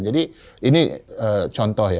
jadi ini contoh ya